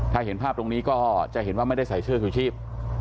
ถ้าเห็นภาพตรงนี้ก็จะเห็นว่าไม่ได้ใส่เสื้อชูชีพ